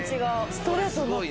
ストレートになった。